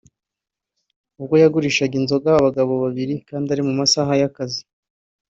ubwo yagurishaga inzoga abagabo babiri kandi ari mu masaha y’akazi